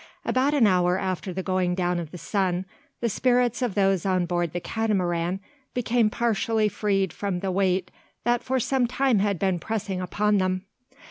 About an hour after the going down of the sun, the spirits of those on board the Catamaran became partially freed from the weight that for some time had been pressing upon them.